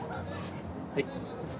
はい。